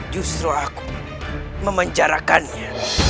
justru aku memenjarakannya